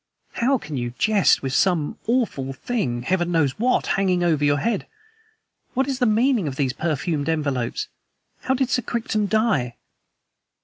"How can you jest with some awful thing Heaven knows what hanging over your head? What is the meaning of these perfumed envelopes? How did Sir Crichton die?"